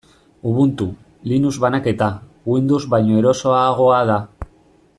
Ubuntu, Linux banaketa, Windows baino erosoagoa da.